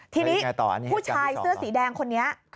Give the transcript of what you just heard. ทีนี้ผู้ชายเสื้อสีแดงคนนี้